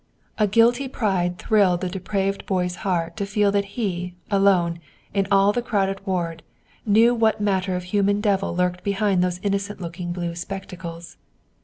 A guilty pride thrilled the depraved boy's heart to feel that he, alone, in all the crowded ward, knew what manner of human devil lurked behind those innocent looking blue spectacles.